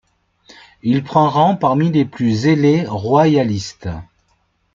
Il prend rang parmi les plus zélés royalistes.